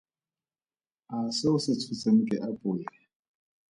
A se o se tshotseng ke apole?